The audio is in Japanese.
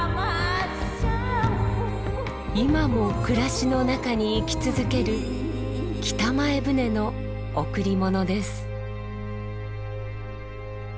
今も暮らしの中に生き続ける北前船の贈りものです。